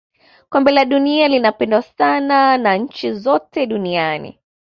kombe la dunia linapendwa sana na nchi zote duniani